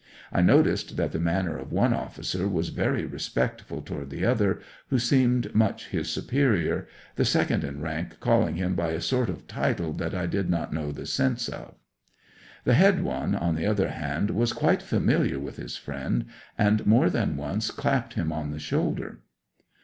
I noticed that the manner of one officer was very respectful toward the other, who seemed much his superior, the second in rank calling him by a sort of title that I did not know the sense of. The head one, on the other hand, was quite familiar with his friend, and more than once clapped him on the shoulder.